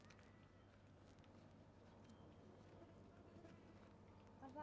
menjadi kemampuan anda